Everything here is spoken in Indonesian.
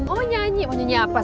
oh nyanyi mau nyanyi apa sekarang